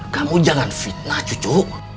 kamu jangan fitnah cucu